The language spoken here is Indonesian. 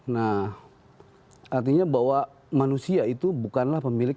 nah artinya bahwa manusia itu bukanlah pemilik